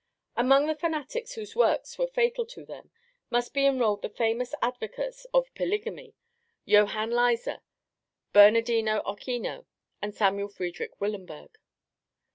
Amongst the fanatics whose works were fatal to them must be enrolled the famous advocates of polygamy, Johann Lyser, Bernardino Ochino, and Samuel Friedrich Willenberg.